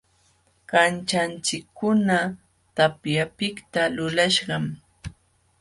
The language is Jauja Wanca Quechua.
Kanćhanchikkuna tapyapiqta lulaśhqam.